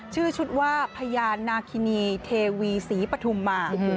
ชื่อชุดว่าพญานาคินีเทวีศรีปฐุมมา